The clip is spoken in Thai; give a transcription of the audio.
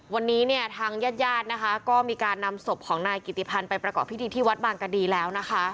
วันนี้เนี่ยทางญาติญาตินะคะก็มีการนำศพของนายกิติพันธ์ไปประกอบพิธีที่วัดบางกดีแล้วนะคะ